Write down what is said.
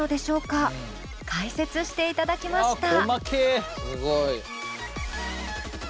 解説していただきました。